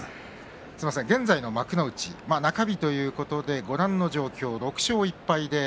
現在の幕内中日ということでご覧の状況、６勝１敗です。